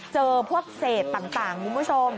เจอพวกเศษต่างคุณผู้ชม